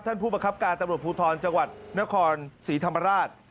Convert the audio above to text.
ผู้ประคับการตำรวจภูทรจังหวัดนครศรีธรรมราช